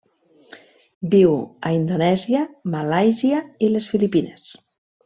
Viu a Indonèsia, Malàisia i les Filipines.